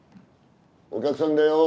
お客さんだよ。